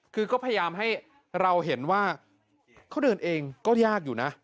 คือก็พยายามให้เราเห็นว่าเขาเดินเองก็ยากอยู่นะ